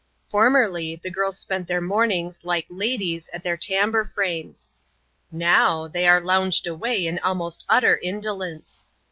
Formerlj, the giris spent their mornings like ladies at their tambour frames ; newc, they are lounged away in almost utter indolence.